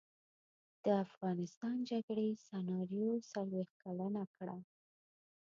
د افغانستان جګړې سناریو څلویښت کلنه کړه.